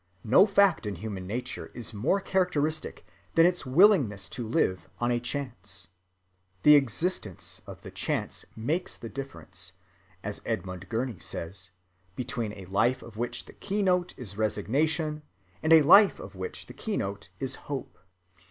No fact in human nature is more characteristic than its willingness to live on a chance. The existence of the chance makes the difference, as Edmund Gurney says, between a life of which the keynote is resignation and a life of which the keynote is hope.